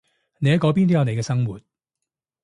你喺嗰邊都有你嘅生活